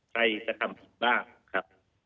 กระทำผิดบ้างครับ